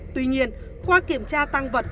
tuy nhiên qua kiểm tra tăng vật